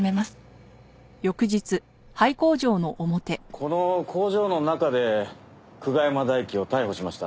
この工場の中で久我山大樹を逮捕しました。